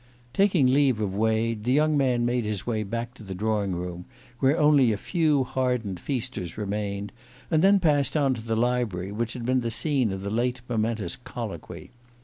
Taking leave of Wade, the young man made his way back to the drawing room, where only a few hardened feasters remained, and then passed on to the library which had been the scene of the late momentous colloquy.